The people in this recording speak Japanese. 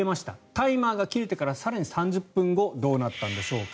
タイマーが切れてから更に３０分後どうなったんでしょうか。